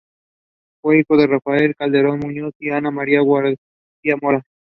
Fue hijo de Rafael Calderón Muñoz y Ana María Guardia Mora.